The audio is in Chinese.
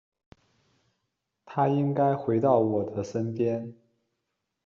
他应该回到我的身边